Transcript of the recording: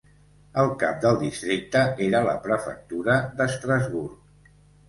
El cap del districte era la prefectura d'Estrasburg.